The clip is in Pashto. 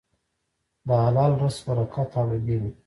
د حلال رزق برکت ابدي وي.